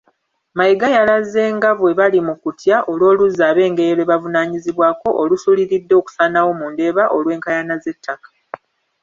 Mayiga yalaze nga bwe bali mu kutya olw’oluzzi ab’Engeye lwe bavunaanyizibwako olusuliridde okusaanawo mu Ndeeba olw’enkayana z’ettaka.